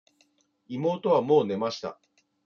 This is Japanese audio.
妹はもう寝ました。